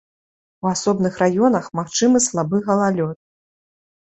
У асобных раёнах магчымы слабы галалёд.